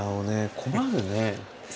困るね。